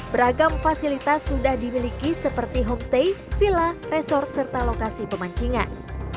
beragam fasilitas sudah dimiliki seperti homestay villa resort serta lokasi pemancingan